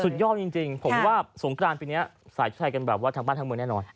สุดยอดจริงผมว่าสงกรานปีนี้สายใช้กันแบบว่าทั้งบ้านทั้งเมืองแน่นอน